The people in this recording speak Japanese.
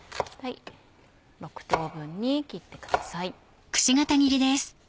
６等分に切ってください。